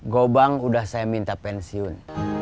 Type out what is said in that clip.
gobang udah saya minta pensiun